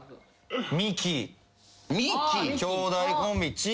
ミキ。兄弟コンビ。